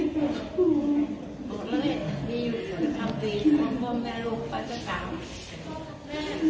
บอกเลยมีอยู่ในความตื่นความว่าแม่โรคก็จะตาม